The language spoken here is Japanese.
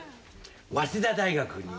早稲田大学に行く。